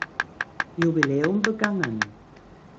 Jubiläum begangen.